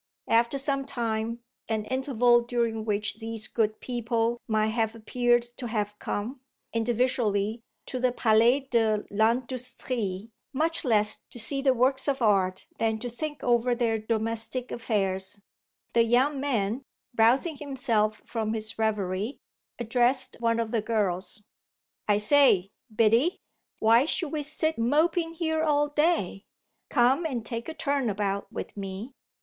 After some time, an interval during which these good people might have appeared to have come, individually, to the Palais de l'Industrie much less to see the works of art than to think over their domestic affairs, the young man, rousing himself from his reverie, addressed one of the girls. "I say, Biddy, why should we sit moping here all day? Come and take a turn about with me."